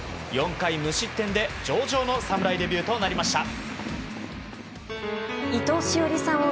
４回無失点で上々の侍デビューとなりました。